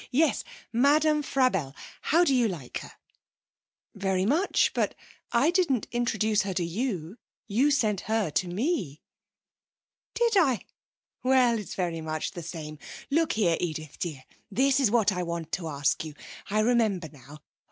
Yes, Madame Frabelle. How do you like her?' 'Very much. But I didn't introduce her to you. You sent her to me.' 'Did I? Well, it's very much the same. Look here, Edith dear. This is what I want to ask you. I remember now.